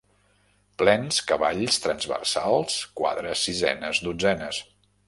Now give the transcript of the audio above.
Plens cavalls transversals quadres sisenes dotzenes.